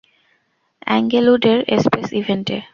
এঙ্গেলউডের space ইভেন্টে।